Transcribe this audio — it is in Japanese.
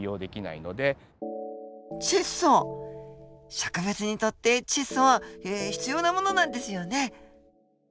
植物にとって窒素は必要なものなんですよね？